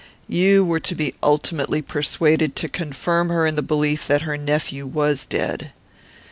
You were to be ultimately persuaded to confirm her in the belief that her nephew was dead.